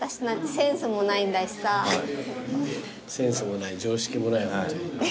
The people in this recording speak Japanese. センスもない常識もないホントに。